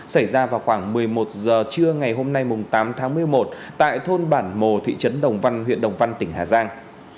xảy ra vào khoảng một mươi một h trưa ngày hôm nay tám tháng một mươi một tại thôn bản mồ thị trấn đồng văn huyện đồng văn tỉnh hà giang